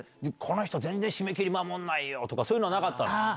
この人、全然締め切り守んないよーとか、そういうのはなかったの？